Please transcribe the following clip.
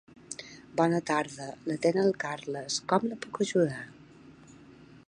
Bona tarda, l'atén el Carles, com la puc ajudar?